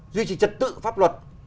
duy trì trật tự pháp luật